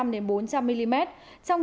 hai trăm linh đến bốn trăm linh mm trong